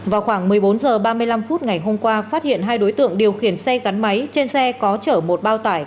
vào khoảng một mươi bốn h ba mươi năm phút ngày hôm qua phát hiện hai đối tượng điều khiển xe gắn máy trên xe có chở một bao tải